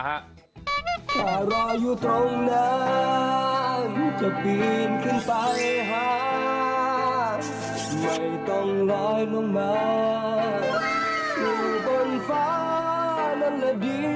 หลุงต้นฟ้านั้นละดีเป็นดาวพระดับฟ้า